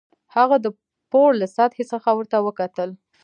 هغه د پوړ له سطحې څخه ورته وکتل